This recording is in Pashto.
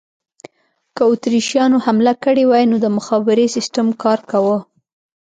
که اتریشیانو حمله کړې وای، نه د مخابرې سیسټم کار کاوه.